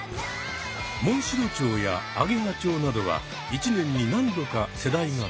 モンシロチョウやアゲハチョウなどは一年に何度か世代が変わる。